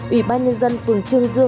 ủy ban nhân dân phường trương